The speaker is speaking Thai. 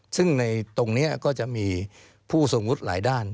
ซึ่งในตรงนี้ก็จะมีผู้ทรงวุฒิหลายด้าน